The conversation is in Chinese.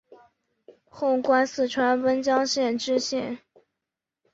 后官四川温江县知县。